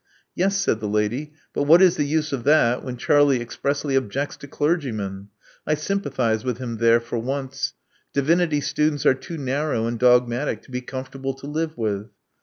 Yes," said the lady; but what is the use of that when Charlie expressly objects to clergymen? I sym pathize with him there, for once. Divinity students are too narrow and dogmatic to be comfortable to live with."